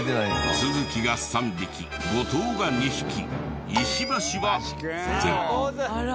都築が３匹後藤が２匹石橋はゼロ。